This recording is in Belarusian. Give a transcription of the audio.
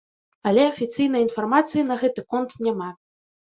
Але афіцыйнай інфармацыі на гэты конт няма.